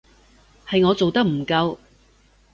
係我做得唔夠